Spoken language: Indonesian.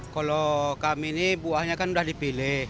kalau kami ini buahnya kan sudah dipilih